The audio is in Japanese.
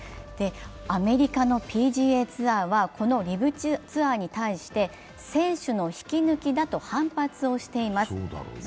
アメリカのＰＧＡツアーはＬＩＶツアーに対して選手の引き抜きだと反発をしています。